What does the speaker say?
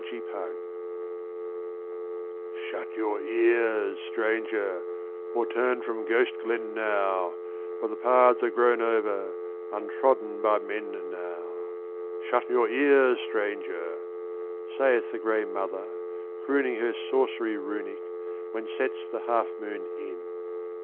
Ghost Glen "Shut your ears, stranger, or turn from Ghost Glen now, For the paths are grown over, untrodden by men now; Shut your ears, stranger," saith the grey mother, crooning Her sorcery runic, when sets the half moon in.